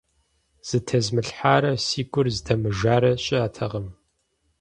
Зытезмылъхьарэ си гур здэмыжарэ щыӀэтэкъым.